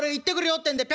ってんでぴ